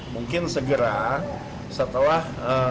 mungkin segera setelah